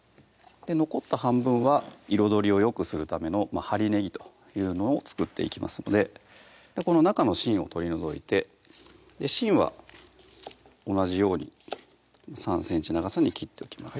残った半分は彩りをよくするための針ねぎというのを作っていきますのでこの中の芯を取り除いて芯は同じように３ｃｍ長さに切っておきます